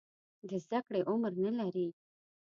د زده کړې عمر نه لري.